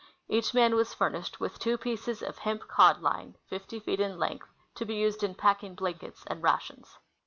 Each man was furnished with two pieces of hemp " cod line," 50 feet in length, to be used in packing blankets and rations.